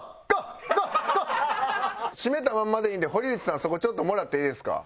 閉めたまんまでいいんで堀口さんそこちょっともらっていいですか？